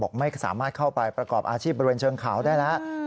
ไม่สามารถเข้าไปประกอบอาชีพบริเวณเชิงเขาได้แล้ว